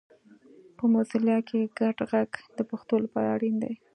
په موزیلا کې ګډ غږ د پښتو لپاره اړین دی